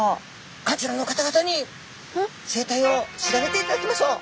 あちらの方々に生態を調べていただきましょう。